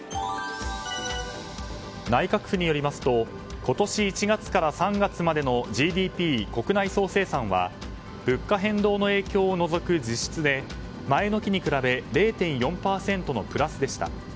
内閣府によりますと今年１月から３月までのＧＤＰ・国内総生産は物価変動の影響を除く実質で、前の期に比べ０．４％のプラスでした。